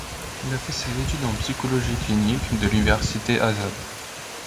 Il a fait ses études en Psychologie clinique de l’Université Azad.